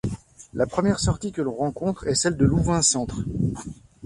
La première sortie que l'on rencontre est celle de Louvain-Centre.